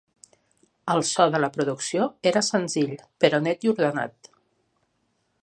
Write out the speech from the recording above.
El so de la producció era senzill però net i ordenat.